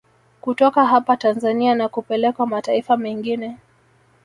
Kutoka hapa Tanzania na kupelekwa mataifa mengine